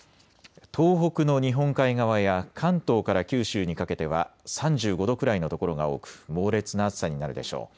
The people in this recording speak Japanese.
東北の日本海側や関東から九州にかけては３５度くらいの所が多く猛烈な暑さになるでしょう。